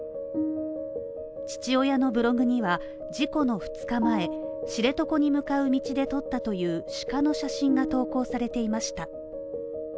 父親のブログには事故の２日前、知床に向かう道で撮ったという鹿の写真が投稿されていました。